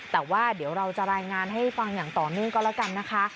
แต่ว่าเดี๋ยวเราจะรายงานให้ฟังอย่างต่อเนื่องก็แล้วกันนะคะ